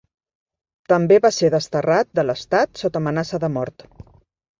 També va ser desterrat de l'estat sota amenaça de mort.